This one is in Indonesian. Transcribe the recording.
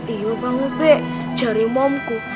iya bang ubek cari momku